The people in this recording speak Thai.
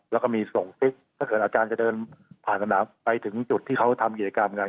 แล้วก็มีส่งฟิตถ้าเกิดอาจารย์จะเดินผ่านสนามไปถึงจุดที่เขาทำกิจกรรมกัน